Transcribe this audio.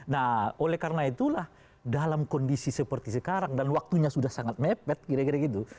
nah oleh karena itulah dalam kondisi seperti sekarang dan waktunya sudah sangat mepet kira kira gitu